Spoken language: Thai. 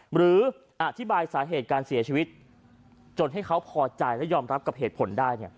หรืออธิบายสาเหตุการเสียชีวิตจนให้เขาพอใจและยอมรับกับเหตุผลได้